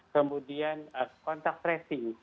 kemudian kontak tracing